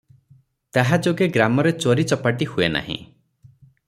ତାହା ଯୋଗେ ଗ୍ରାମରେ ଚୋରି ଚପାଟି ହୁଏ ନାହିଁ ।